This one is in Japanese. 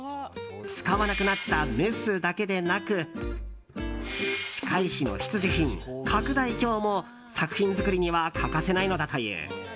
使わなくなったメスだけでなく歯科医師の必需品、拡大鏡も作品作りには欠かせないのだという。